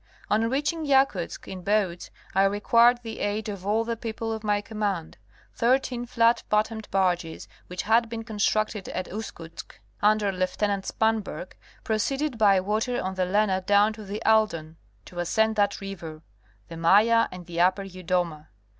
On reaching Yakutsk in boats I required the aid of all the people of my command. Thirteen flat bottomed barges which had been constructed at Uskutsk, under Lieut. Spanberg, pro ceeded by water on the Lena down to the Aldan to ascend that river, the Maya and the upper Yudoma.